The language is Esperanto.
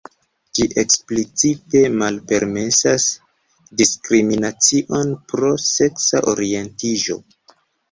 Ĝi eksplicite malpermesas diskriminacion pro seksa orientiĝo.